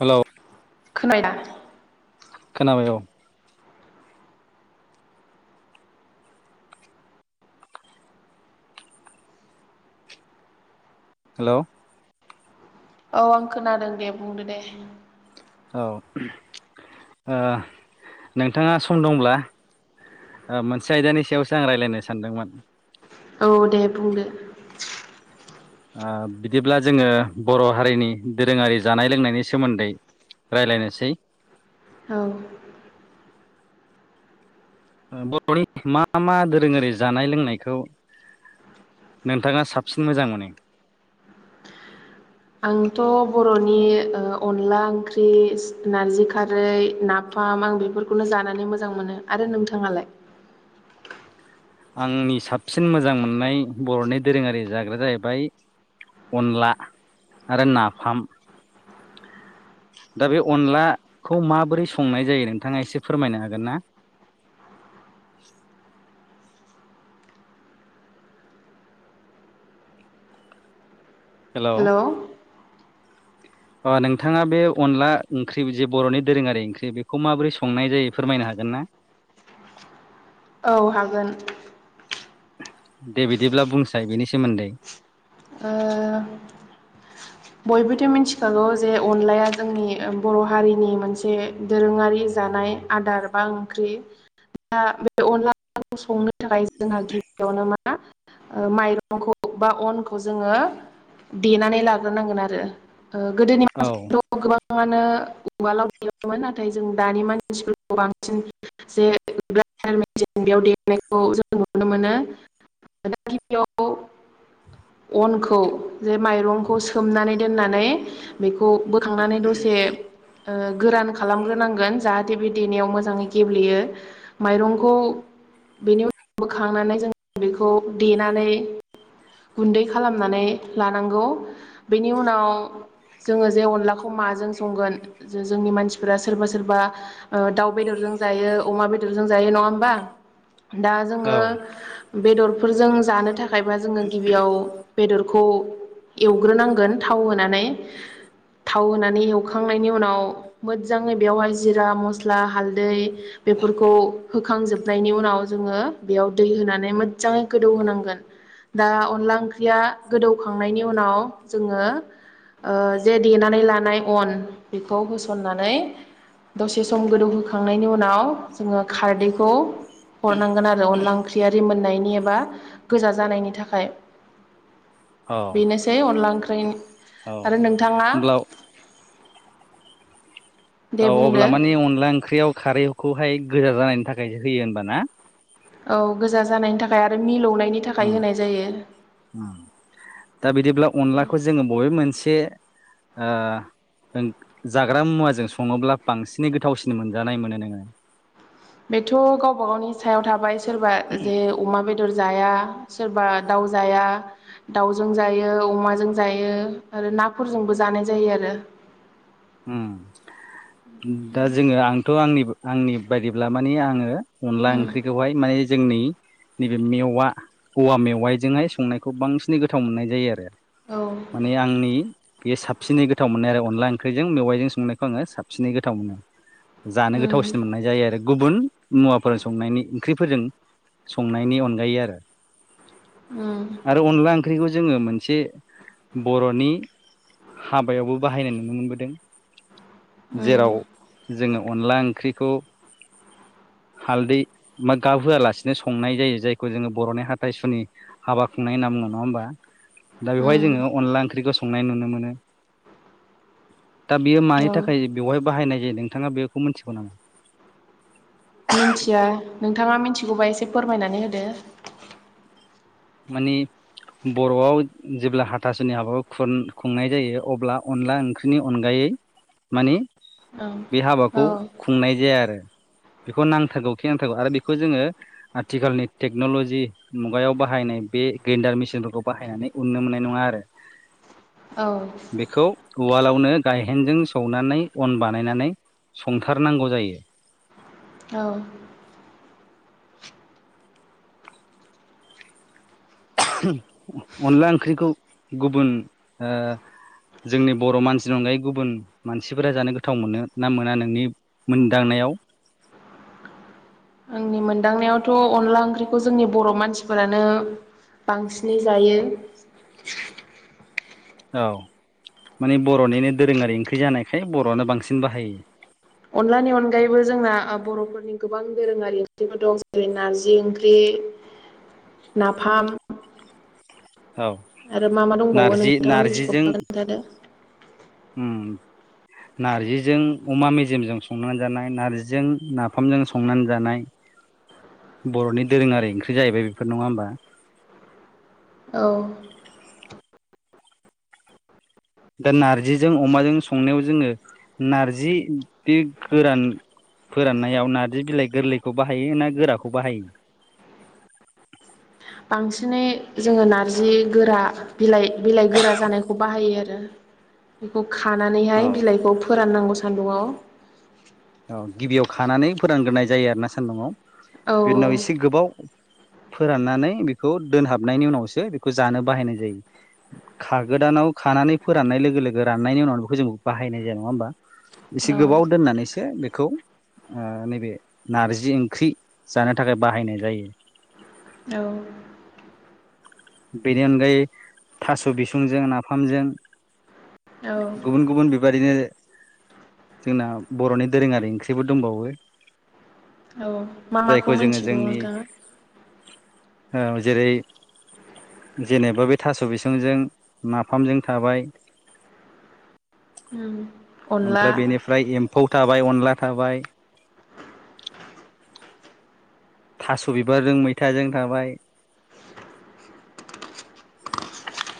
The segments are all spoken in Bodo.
हेल' खोनाया खोनाबाय औ हेल' औ आं खोनादों दे बुंदो दे औ नोंथाङा सम दंब्ला मोनसे आयदानि सायावसो आं रायज्लायनो सानदोंमोन औ दे बुंदो बिदिब्ला जोङो बर' हारिनि दोरोङारि जानाय लोंनायनि सोमोन्दै राय्लायनोसै औ बर'नि मा मा दोरो ओरारि जानाय लोंनायखौ नोंथाङा साबसिन मोजां मोनो आंथ' बर'नि अनला ओंख्रि नारजि खारै ना आं बेफोरखौनो जानानै मोजां मोनो आरो नोंथाङालाय आंनि साबसिन मोजां मोननाय बर'नि दोरोङारि जाग्राया जाहैबाय अनला आरो नाफाम दा बे अनलाखौ माबोरै संनाय जायो नोंथाङा एसे फोरमायनो हागोन ना? हेलौ हेल' अ नोंथाङा बे अनला ओंख्रि जे बर'नि दोरोङारि ओंख्रि बेखौ माबोरै संनाय जायो फोरमायनो हागोन ना? औ हागोन। दे बिदिब्ला बुंसाय बेनि सोमोन्दै ओ बयबोथ' मिथिखागौ जे अनलाया जोंनि बर' हारिनि मोनसे दोरोङारि जानाय आदार बा ओंख्रि दा बे अनलाखौ संनो थाखाय जोंहा गिबियावनो मा माइरंखौ बा अन [inaudible] औ गोबाङानो उवालाव गैयामोन नाथाय जों दानि मानसिफोरखौ बांसिन जे बेयाव देनायखौ जों नुनो मोनो [inaudible] अनखौ जे माइरंखौ सोमनानै दोननानै बेखौ बोखांनानै दसे गोरान खालामग्रोनांगोन जाहाथे बे देनायाव मोजाङै गेब्लेयो माइरंखौ बेनि उनाव बोखांनानै जों बेखौ देनानै गुन्दै खालामनानै लानांगौ बेनि उनाव जोङो जे अनलाखौ माजों संगोन जोंनि मानसिफोरा सोरबा सोरबा दाउ बेदरजों जायो अमा बेदरजों जायो नङा होमबा दा औ जोङो बेदरफोरजों जानो थाखायबा जोङो गिबियाव बेदरखौ एवग्रोनांगोन थाव होनानै थाव होनानै एवखांनायनि उनाव मोजाङै बेवहाय जिरा मस्ला हालदै बेफोरखौ होखांजोबनायनि उनाव जोङो बेयाव दै होनानै मोजाङै गोदौ होनांगोन दा अनला ओंख्रिया गोदौखांनायनि उनाव जोङो जे देनानै लानाय अन बेखौ होसन्नानै दसे सम गोदौहोखांनायनि उनाव जोङो खारदैखौ हरनांगोन आरो अनला ओंख्रिया रिमोननायनि एबा गोजा जानायनि थाखाय औ बेनोसै अनला ओंख्रै औ आरो नोंथाङा होमब्ला दे औ अब्ला मानि बुंदो अनला ओंख्रियाव खारैखौहाय गोजा जानायनि थाखायसो होयो होनबाना? औ गोजा जानायनि थाखाय आरो मिलौनायनि थाखाय उम होनाय जायो। उम दा बिदिब्ला अनलाखौ जोङो बबे मोनसे ओ जाग्रा मुवाजों सङोब्ला बांसिनै गोथावसिन मोनजानाय मोनो नोङो बेथ' गावबा गावनि सायाव थाबाय सोरबा जे अमा बेदर बेदर जाया सोरबा दाउ जाया दाउजों जायो अमाजों जायो आरो नाफोरजोंबो जानाय जायो आरो उम दा जोङो आंथ' आंनि आंनि बायदिब्ला माने आङो अनला उम ओंख्रिखौहाय माने जोंनि नैबे मेवा औवा मेवाइजोंहाय संनायखौ बांसिनै गोथाव मोननाय जायो आरो। औ माने आंनि बेयो साबसिनै गोथाव मोननाय आरो अनला ओं ख्रिजों मेवाइजों संनायखौ आङो साबसिनै गोथाव मोनो जानो उम गोथावसिन मोननाय जायो आरो ग गुबुन मुवाफोर संनायनि ओंख्रिफोरजों संनायनि अनगायै आरो। उम आरो अनला ओं ख्रिखौ जोङो मोनसे बर'नि हाबायावबो बाहायनाय नुनो मोनबो दों उम जेराव जोङो अनला ओंख्रिखौ हालदै बा गाब होआलासिनो संनाय जायो जायखौ जोङो बर'नि हाथाइ सुनि हाबा खुंनाय होनना बुङो नङा होमबा दा बेवहाय उम जोङो अनला ओंख्रिखौ संनाय नुनो मोनो। दा बेयो मानि औ थाखाय बेवहाय बाहायनाय जायो नोंथाङा बेखौ मिथिगौ नामा? मिथिया नोंथाङा मिथिगौबा एसे फोरमायनानै होदो। माने बर'आव जेब्ला हाथासुनि हाबाखौ खुर खुंनाय जायो अब्ला अनला ओंख्रिनि अनगायै मानि औ बे औ हाबाखौ खुंनाय जाया आरो। बेखौ नांथारगौ खे नांथारगौ आरो बेखौ जोङो आथिखालनि टेक्न'लजि मुगायाव बाहायनाय बे ग्रेन्डार मेसिनफोरखौ बाहायनानै उननो मोननाय नङा आरो। औ। बेखौ उवालावनो गायहेनजों सौनानै अन बानायनानै संथारनांगौ जायो। औ। अनला ओंख्रिखौ गुबुन ओ जोंनि बर' मानसिनि अनगायै गुबुन मानसिफोरा जानो गोथाव मोनो ना मोना नोंनिफ मोनदांनायाव आंनि मोनदांनायावथ' अनला ओंख्रिखौ जोंनि बर' मानसिफोरानो बांसिनै जायो। औ माने बर'निनो दोरोङारि ओंख्रि जानायखाय बर'आनो बांसिन बाहायो। अनलानि अनगायैबो जोंना बर'फोरनि गोबां दोरोङारि ओंख्रिफोर दं जेरै नारजि ओंख्रि। नाफाम। औ आरो मा मा दंबावो नारजि नोंथाङा नारजिजों मिथिगोबा खोनथादो। नार्जिजों अमा मेजेमजों संनानै जानाय नार्जिजों नाफामजों संनानै जानाय। [inaudible] बर'नि दोरोङारि ओंख्रि जाहैबाय बेफोर नङा होमबा? औ। दा नार्जिजों अमाजों संनायाव जोङो नार्जि दे गोरान। फोराननायाव नार्जि बिलाइ गोरलैखौ बाहायो ना गोराखौ बाहायो। बांसिनै जोङो नारजि गोरा बिलाइ बिलाइ गोरा जानायखौ बाहायो आरो बेखौ खानानैहाय औ बिलाइखौ फोराननांगौ सो सानदुंआव। औ गिबियाव खानानै फोरानग्रोनाय जायो आरो ना सान्दुंआव औ बेनि उनाव एसे गोबाव फोराननानै बेखौ दोनहाबनायनि उनावसो बेखौ जानो बाहायनाय जायो। खागोदानाव खानानै फोराननाय लोगो लोगो राननायनि उनाव बेखौ जोंखौ बाहायनाय जाया नङा होमबा? एसे गोबाव औ दोननानैस बेखौ नैबे नारजि ओंख्रि जानो थाखाय बाहायनाय जायो औ बेनि अनगायै थास' बिसंजों नाफामजों औ गुबुन गुबुन बेबादिनो जोंना बर'नि दोरोङारि ओंख्रिबो दंबावो। औ मा माखौ जायखौ जोङो मिथिगौ नोंथाङा? औ जेरै जेनेबा बे थास' बिसंजों नाफामजों थाबाय उम अनला ओमफ्राय बेनिफ्राय एम्फौ थाबाय अनला थाबाय थास' बिबारजों मैथाजों थाबाय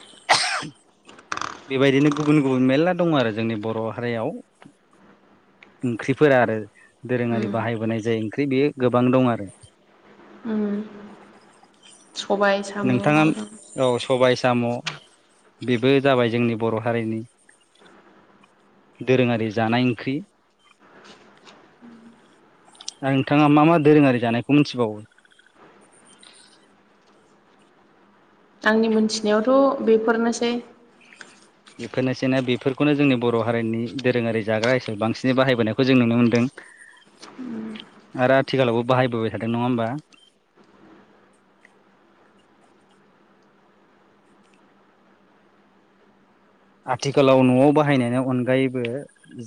[inaudible] बेबायदिनो गुबुन गुबुन मेरला दङ आरो जोंनि बर' हारियाव ओंख्रिफोरा आरो उम दोरोङारि बाहायबोनाय जाय ओंख्रि बेयो गोबां दं आरो ओम सबाय नोंथाङा औ सबाय साम' बेबो जाबाय जोंनि बर' हारिनि दोरोङारि जानाय ओंख्रि आरो नोंथाङा मा मा दोरोङारि जानायखौ मिथिबावो आंनि मोनथिनायावथ' बेफोरनोसै बेफोरनोसैना बेफोरखौनो जोंनि बर' हारिनि दोरोङारि जाग्रा हिसाबै बांसिनै बाहायबोनायखौ जों नुनो मोनदों [inaudible] आरो आथिखालावबो बाहायबोबाय थादों नङा होमबा आथिखालाव न'आव बाहायनायनि अनगायैबो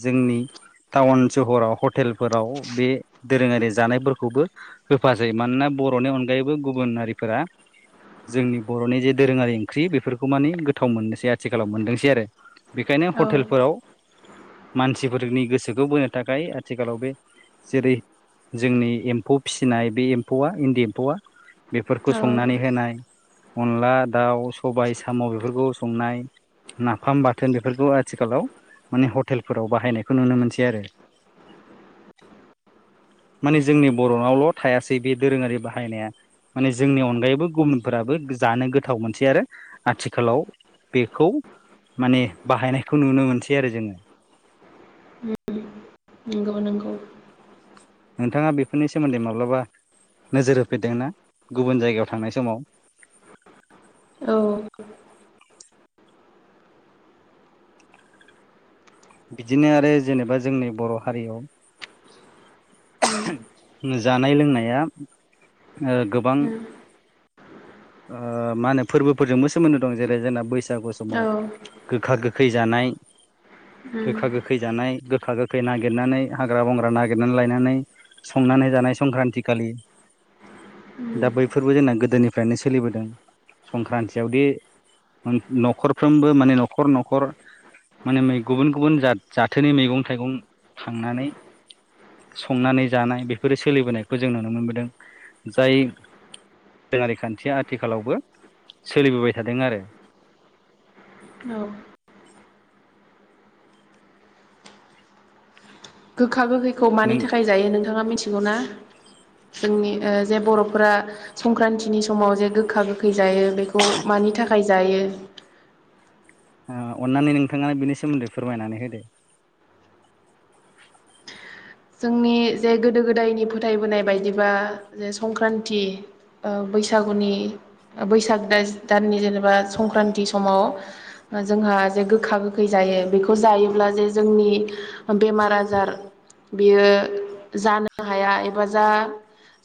जोंनि टाउन सहराव हटेलफोराव बे दोरोङारि जानायफोरखौबो होफासै मानोना बर'नि अनगायैबो गुबुन हारिफोरा जोंनि बर'नि जे दोरोङारि ओंख्रि बेफोरखौ माने गोथाव मोननोसै आथिखालाव मोनदोंसै आरो बेखायनो औ हटेलफोराव मानसिफोरनि गोसोखौ बोनो थाखाय आथिखालाव बे जेरै जोंनि एम्फौ फिसिनाय बे एम्फौआ इन्दि एम्फौआ बेफोरखौ औ संनानै होनाय अनला दाउ सबाय साम' बेफोरखौ संनाय नाफाम बाथोन बेफोरखौ आथिखालाव माने हटेलफोराव बाहायनायखौ नुनो मोनसै आरो [inaudible] माने जोंनि बर'नावल' थायासै बे दोरोङारि बाहायनाया माने जोंनि अनगायैबो गुबुनफोराबो जानो गोथाव मोनसै आरो आथिखालाव बेखौ माने बाहायनायखौ नुनो मोनसै आरो जोङो उम नंगौ नंगौ नोंथाङा बेफोरनि सोमोन्दै माब्लाबा नोजोर होफेरदोंना गुबुन जायगायाव थांनाय समाव औ बिदिनो आरो जेनेबा जोंनि बर' हारियाव उम जानाय लोंनाया गोबां उम मा होनो फोरबोफोरजोंबो सोमोन्दो दं जेरै जोंना बैसागु औ समाव गोखा गोखै जानाय उम गोखा गोखै गोखै जानाय गोखा गोखै नागिरनानै हाग्रा बंग्रा नागिरनानै लायनानै संनानै जानाय संक्रान्ति खालि दा उम बैफोरबो जोंना गोदोनि फ्रायनो सोलिबोदों संक्रान्तियावदि न'खरफ्रोमबो माने न'खर न'खर माने गुबुन गुबुन जाथ जाथोनि मैगं-थाइगं खांनानै संनानै जानाय बेफोरो सोलिबोनायखौ जों नुनो मोनबोदों जाय दोङारि खान्थिया आथिखालावबो सोलिबोबाय थादों आरो औ गोखा गोखैखौ मानि नों थाखाय जायो नोंथाङा मिथिगौ ना जोंनि ओ जे बर'फोरा संक्रान्तिनि समाव जे गोखा गोखा फैजायो बेखौ मानि थाखाय जायो ओ अननानै नोंथाङा बिनि सोमोन्दै फोरमायनानै होदो जोंनि जे गोदो गोदायनि फोथायबोनाय बायदिबा जे संक्रान्ति ओ बैसागुनि बैसाग दाननि जेनेबा संक्रान्ति समाव जोंहा जे गोखा गोखै जायो बेखौ जायोब्ला जे जोंनि बेमार आजार बेयो जानो हाया एबा जा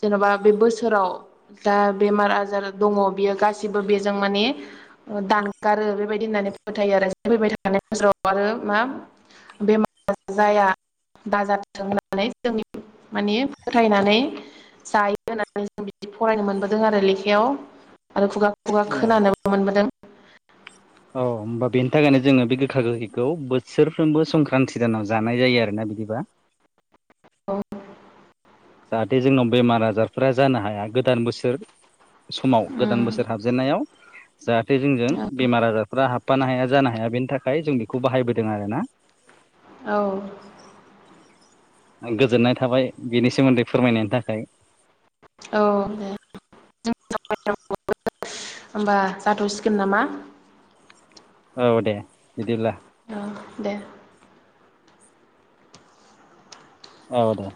जेन'बा बे बोसोराव दा बेमार आजार दङ बियो गासिबो बेजों माने दानगारो बेबायदि होननानै फोथायो आरो फैबाय थानाय बासोराव आरो मा बेमार जाया दाजाथो नानै जों माने फोथायनानै जायो होननानै जों बिदि फरायनो मोनबोदों आरो लेखायाव आरो खुगा खुगा औ खोनानो मोनबोदों औ होमबा बेनि थाखायनो जोङो बे गोखा गोखैखौ बोसोरफ्रोमबो संक्रान्ति दानाव जानाय जायो आरोना बिदिबा औ जाहाथे जोंनाव बेमार आजारफोरा जानो हाया गोदान बोसोर समाव उम गोदान बोसोर हाबजेननायाव जाहाथे जोंजों बेमार आजारफ्रा हाबफानो हाया जानो हाया बेनि थाखाय जों बेखौ बाहायबोदों आर ना औ गोजोननाय थाबाय बेनि सोमोन्दै फोरमायनायनि थाखाय औ दे होमबा जाथ'सिगोन नामा औ दे बिदिब्ला औ दे औ दे